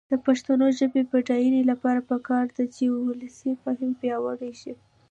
د پښتو ژبې د بډاینې لپاره پکار ده چې ولسي فهم پیاوړی شي.